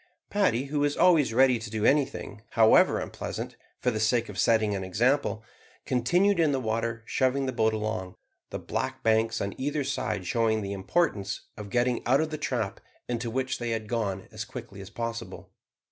Paddy, who was always ready to do anything, however unpleasant, for the sake of setting an example, continued in the water shoving the boat along; the black banks on either side showing the importance of getting out of the trap into which they had gone as quickly as possible.